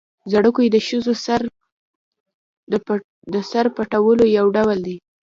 ځړوکی د ښځو د سر پټولو یو ډول دی